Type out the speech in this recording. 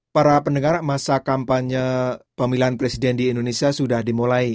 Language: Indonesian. para pendengar masa kampanye pemilihan presiden di indonesia sudah dimulai